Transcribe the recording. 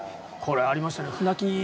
これはありましたね船木！